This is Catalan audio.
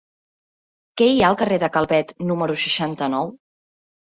Què hi ha al carrer de Calvet número seixanta-nou?